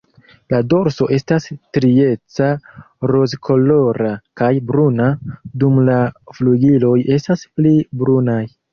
La dorso estas strieca rozkolora kaj bruna, dum la flugiloj estas pli brunaj.